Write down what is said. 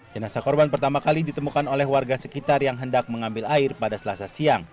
jenazah korban pertama kali ditemukan oleh warga sekitar yang hendak mengambil air pada selasa siang